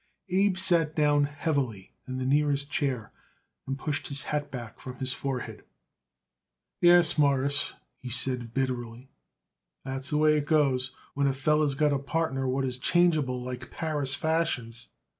Abe sat down heavily in the nearest chair and pushed his hat back from his forehead. "Yes, Mawruss," he said bitterly, "that's the way it goes when a feller's got a partner what is changeable like Paris fashions.